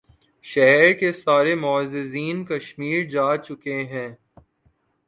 شہر کے سارے معززین کشمیر جا چکے ہیں